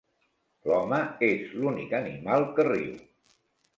L'home és l'únic animal que riu.